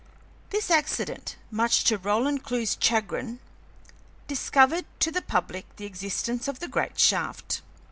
This accident, much to Roland Clewe's chagrin, discovered to the public the existence of the great shaft.